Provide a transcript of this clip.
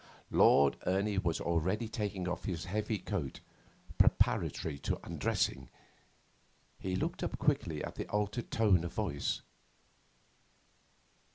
Lord Ernie was already taking off his heavy coat, preparatory to undressing. He looked up quickly at the altered tone of voice.